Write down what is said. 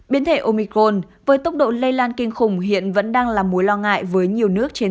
biến thể omicron với tốc độ lây lan kinh khủng hiện vẫn đang là mối lo ngại với nhiều nước trên